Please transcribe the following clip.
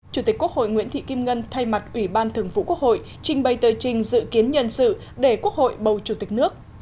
chủ tịch quốc hội nguyễn thị kim ngân thay mặt ủy ban thường vụ quốc hội trình bày tờ trình dự kiến nhân sự để quốc hội bầu chủ tịch nước